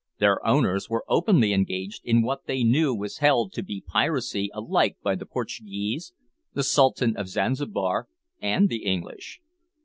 Their owners were openly engaged in what they knew was held to be piracy alike by the Portuguese, the Sultan of Zanzibar, and the English.